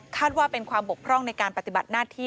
ว่าเป็นความบกพร่องในการปฏิบัติหน้าที่